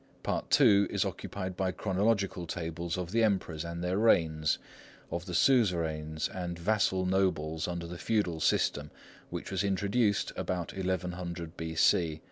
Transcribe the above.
Part II is occupied by chronological tables of the Emperors and their reigns, of the suzerains and vassal nobles under the feudal system which was introduced about 1100 B.C.